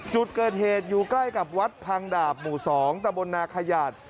จุดเกิดเหตุอยู่ใกล้กับวัดพังดาบหมู่๒ตะบนนาขยาด